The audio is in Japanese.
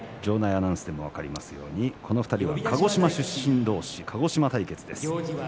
アナウンスでも分かりますように、この２人は鹿児島出身どうし鹿児島対決です。